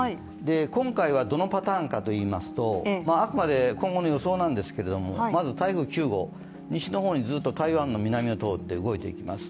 今回はどのパターンかといいますとあくまで今後の予想なんですがまず、台風９号西の方にずっと台湾の南を通って動いていきます。